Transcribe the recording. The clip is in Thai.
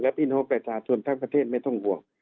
และอินโฮประชาชนทั้งประเทศไม่ต้องห่วง